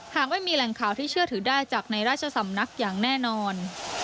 หากไม่มีแหล่งข่าวที่เชื่อถือได้จากในราชสำนักอย่างแน่นอน